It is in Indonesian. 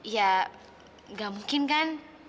ya gak mungkin kan